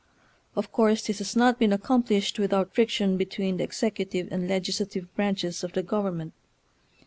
Of course this has not been accom plished without friction between the ex ecutive and legislative branches of the government.